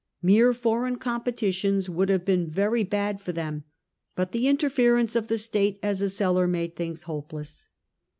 Mere foreign competitions would have been very bad for them, but the interference of the state as a seller made things hopeless.